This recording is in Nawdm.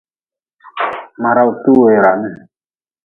Ma rawte weran.